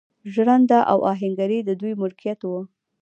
ژرنده او اهنګري د دوی ملکیت و.